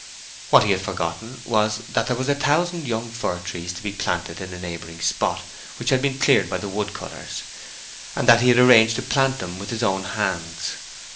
What he had forgotten was that there was a thousand young fir trees to be planted in a neighboring spot which had been cleared by the wood cutters, and that he had arranged to plant them with his own hands.